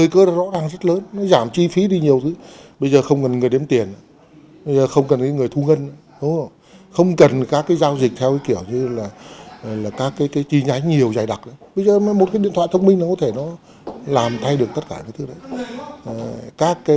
các dịch vụ tài chính có thể làm thay đổi tất cả các dịch vụ